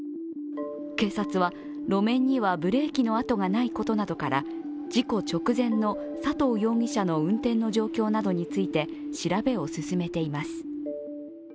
警察は、路面にはブレーキの痕がないことなどから事故直前の佐藤容疑者の運転の状況などについて調べを進めています。